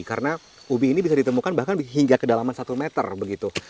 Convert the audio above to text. karena ubi ini bisa ditemukan bahkan hingga kedalaman satu meter begitu